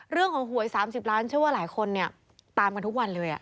เรื่องของหวย๓๐ล้านเชื่อว่าหลายคนตามกันทุกวันเลย